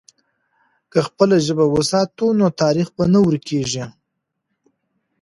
که خپله ژبه وساتو، نو تاریخ به نه ورکېږي.